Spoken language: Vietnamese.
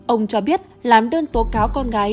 ông cho biết làm đơn tố cáo con gái